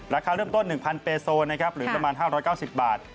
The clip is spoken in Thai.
ราคาเริ่มต้น๑๐๐๐เฟซโลหรือประมาณ๕๙๐บาท